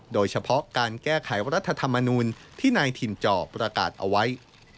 โดยเฉพาะการแก้ไขรัฐธรรมนูลที่นายถิ่นจอประกาศเอาไว้